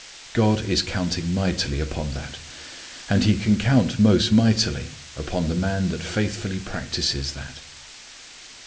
God is counting mightily upon that. And He can count most mightily upon the man that faithfully practices that.